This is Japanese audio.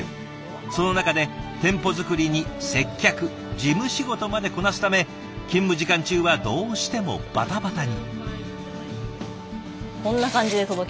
その中で店舗作りに接客事務仕事までこなすため勤務時間中はどうしてもバタバタに。